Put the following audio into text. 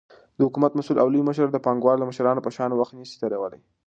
دحكومت مسؤل او لوى مشر دپانگوالو مشرانو په شان وخت نسي تيرولاى،